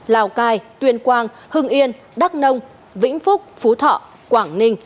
lào cai tuyên quang hưng yên đắk nông vĩnh phúc phú thọ quảng ninh